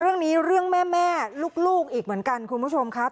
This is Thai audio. เรื่องนี้เรื่องแม่ลูกอีกเหมือนกันคุณผู้ชมครับ